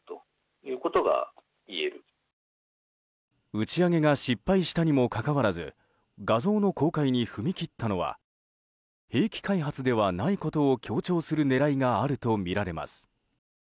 打ち上げが失敗したにもかかわらず画像の公開に踏み切ったのは兵器開発ではないことを強調する狙いがあるとみられます。